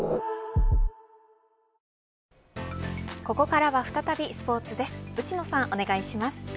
ここからは再びスポーツです。